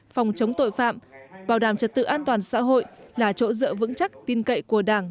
phòng chống tội phạm bảo đảm trật tự an toàn xã hội là chỗ dựa vững chắc tin cậy của đảng